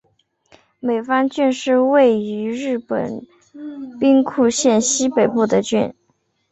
美方郡是位于日本兵库县西北部的郡。